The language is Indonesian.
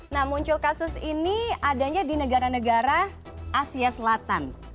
nah muncul kasus ini adanya di negara negara asia selatan